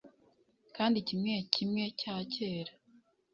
Kandi kimwe kimwe cyakera